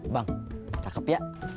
bang cakep ya